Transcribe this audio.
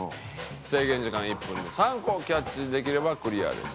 制限時間１分で３個キャッチできればクリアです。